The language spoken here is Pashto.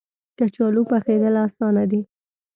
کچالو پخېدل اسانه دي